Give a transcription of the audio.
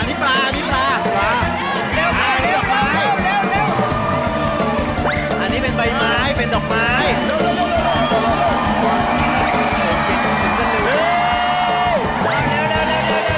๑นาที๒๐วินครับ